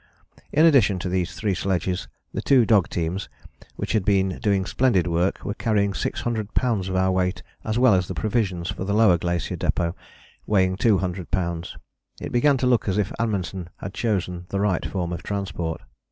In addition to these three sledges the two dog teams, which had been doing splendid work, were carrying 600 lbs. of our weight as well as the provisions for the Lower Glacier Depôt, weighing 200 lbs. It began to look as if Amundsen had chosen the right form of transport.